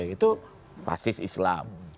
itu fasis islam